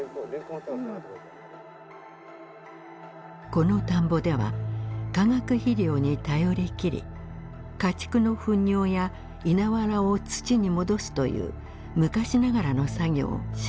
この田んぼでは化学肥料に頼り切り家畜の糞尿や稲わらを土に戻すという昔ながらの作業をしなくなっていました。